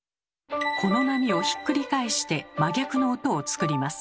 この波をひっくり返して真逆の音を作ります。